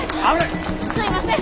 すいません！